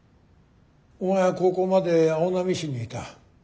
お前は高校まで青波市にいた。